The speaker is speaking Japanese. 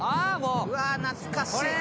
「うわ懐かしい」